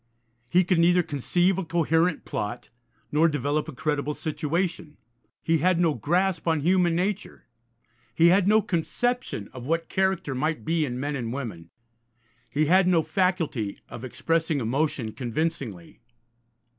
He could neither conceive a coherent plot, nor develop a credible situation. He had no grasp on human nature, he had no conception of what character might be in men and women, he had no faculty of expressing emotion convincingly.